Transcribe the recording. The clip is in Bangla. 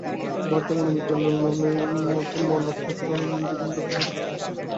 ভারতীয় মনোবিজ্ঞানের মতে মন বা অন্তঃকরণ যেন জীবাত্মার যন্ত্রস্বরূপ।